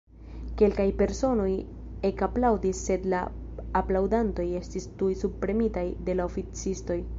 kelkaj personoj ekaplaŭdis, sed la aplaŭdantoj estis tuj subpremitaj de la oficistoj.